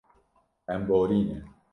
Em borîne.